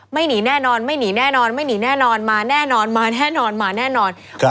หนีแน่นอนไม่หนีแน่นอนไม่หนีแน่นอนมาแน่นอนมาแน่นอนมาแน่นอน